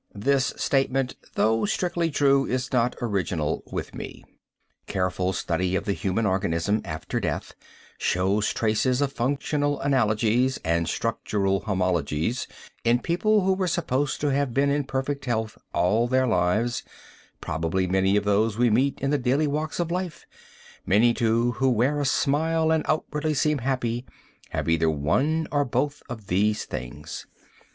(This statement, though strictly true, is not original with me.) Careful study of the human organism after death, shows traces of functional analogies and structural homologies in people who were supposed to have been in perfect health all their lives Probably many of those we meet in the daily walks of life, many, too, who wear a smile and outwardly seem happy, have either one or both of these things.